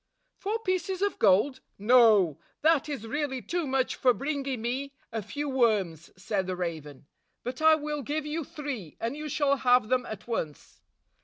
"Four pieces of gold! No! That is really too much for bringing me a few worms," said the raven, "but I will give you three, and you shall have them at once."